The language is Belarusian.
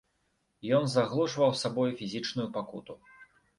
Ён заглушваў сабою фізічную пакуту.